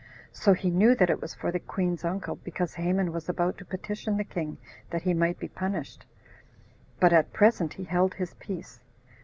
So he knew that it was for the queen's uncle, because Haman was about to petition the king that he might be punished; but at present he held his peace.